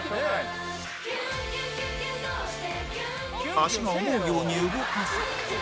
足が思うように動かず